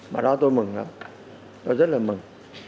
mà đó tôi mừng lắm tôi rất là mừng